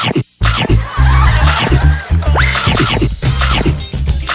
มีรอบสวัสดี